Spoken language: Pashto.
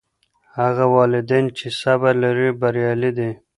هغه والدین چي صبر لري بریالي دي.